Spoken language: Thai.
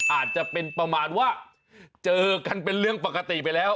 อาจจะเป็นประมาณว่าเจอกันเป็นเรื่องปกติไปแล้ว